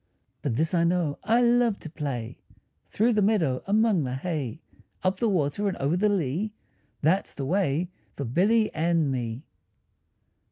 But this I know, I love to play Through the meadow, among the hay; Up the water and over the lea, That's the way for Billy and me.